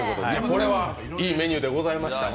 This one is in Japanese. これはいいメニューでございました。